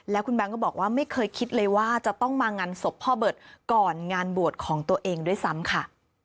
แล้วคุณแบงค์ก็บอกว่าไม่เคยคิดเลยว่าจะต้องมางานศพพ่อเบิร์ตก่อนงานบวชของตัวเองด้วยซ้ำค่ะ